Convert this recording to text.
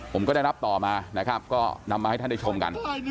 ผมก็ได้รับต่อมานะครับก็นำมาให้ท่านได้ชมกัน